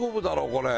これ。